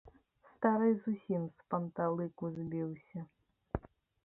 Стары зусім з панталыку збіўся.